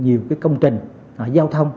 nhiều cái công trình giao thông